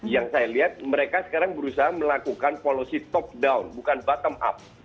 yang saya lihat mereka sekarang berusaha melakukan policy top down bukan bottom up